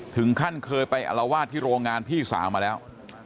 ถึงขั้นเคยไปอลวาดที่โรงงานพี่สาวมาแล้ว